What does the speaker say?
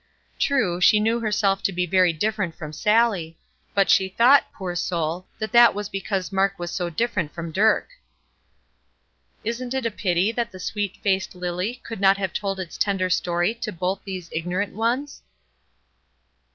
True, she knew herself to be very different from Sallie, but the thought, poor soul, that that was because Mark was so different from Dirk. Isn't it a pity that the sweet faced lily could not have told its tender story to both these ignorant ones?